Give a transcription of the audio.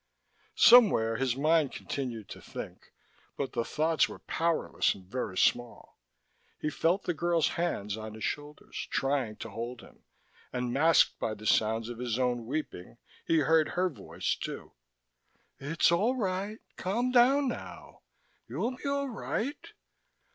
Somewhere his mind continued to think, but the thoughts were powerless and very small. He felt the girl's hands on his shoulders, trying to hold him, and masked by the sounds of his own weeping he heard her voice, too: "It's all right ... calm down now ... you'll be all right...."